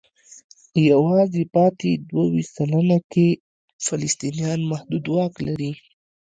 یوازې پاتې دوه ویشت سلنه کې فلسطینیان محدود واک لري.